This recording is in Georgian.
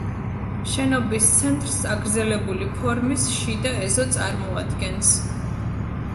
შენობის ცენტრს წაგრძელებული ფორმის შიდა ეზო წარმოადგენს.